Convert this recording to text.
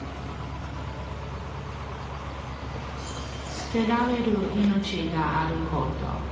すてられる命があること